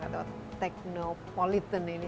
atau teknopolitan ini